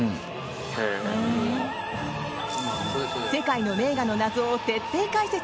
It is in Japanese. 世界の名画の謎を徹底解説。